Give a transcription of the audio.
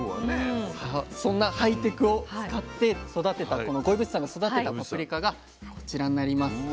そんなハイテクを使って五位渕さんが育てたパプリカがこちらになります。